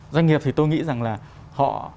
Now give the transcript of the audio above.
doanh nghiệp thì tôi nghĩ rằng là họ